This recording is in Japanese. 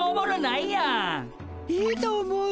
いいと思う！